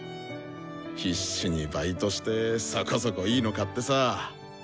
必死にバイトしてそこそこいいの買ってさぁ。